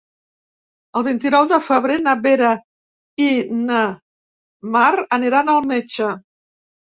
El vint-i-nou de febrer na Vera i na Mar aniran al metge.